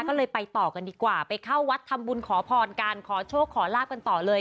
ก็เลยไปต่อกันดีกว่าไปเข้าวัดทำบุญขอพรกันขอโชคขอลาบกันต่อเลย